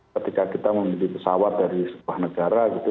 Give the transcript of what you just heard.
ketika kita membeli pesawat dari sebuah negara gitu